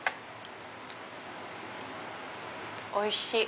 おいしい！